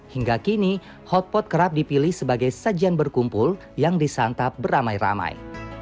hingga kini hotpot kerap dipilih sebagai sajian berkumpul yang disantap beramai ramai